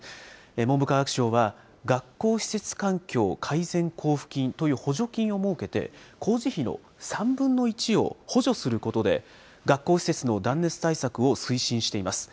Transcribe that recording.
文部科学省は、学校施設環境改善交付金という補助金を設けて、工事費の３分の１を補助することで、学校施設の断熱対策を推進しています。